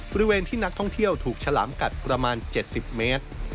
บริเวณที่นักท่องเที่ยวถูกฉลามกัดประมาณ๗๐เมตร